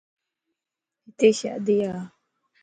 ھتي شادي ا